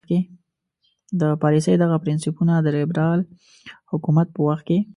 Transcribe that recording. د پالیسۍ دغه پرنسیپونه د لیبرال حکومت په وخت کې.